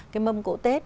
cái mâm cộ tết